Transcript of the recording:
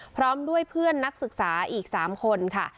พร้อมด้วยเพื่อนนักศึกษาอีก๓คนค่ะ